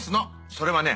それはね